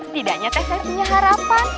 tidak nyetek saya punya harapan